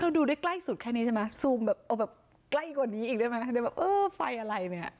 เขาดูได้ใกล้สุดแค่นี้ใช่ไหมซูมแบบใกล้กว่านี้อีกได้ไหมฟัยอะไร